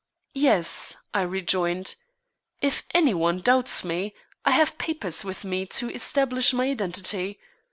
"Yes," I rejoined; "if any one doubts me, I have papers with me to establish my identity.